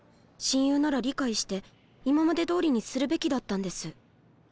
親友なら理解して今までどおりにするべきだったんです。